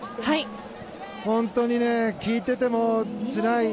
本当に聞いててもつらい。